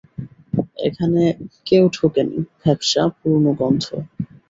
এখানে কেউ ঢোকে নি, ভ্যাপসা, পুরোনো গন্ধ।